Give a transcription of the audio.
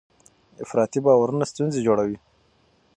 افراطي باورونه ستونزې جوړوي.